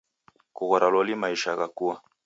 Kughora loli maisha ghakua!